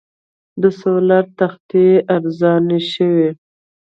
د سولر تختې ارزانه شوي؟